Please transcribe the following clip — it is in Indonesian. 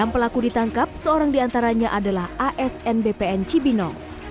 enam pelaku ditangkap seorang diantaranya adalah asn bpn cibinong